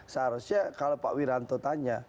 seharusnya kalau pak wiranto tanya